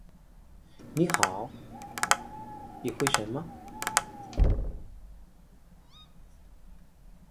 She was paired with professional dancer Louis van Amstel.